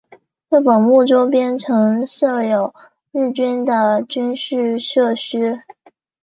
六本木周边曾设有日军的军事设施。